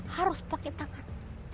harus pakai takat